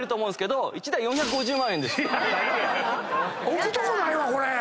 置くとこないわ！